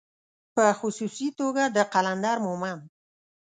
په خصوصي توګه د قلندر مومند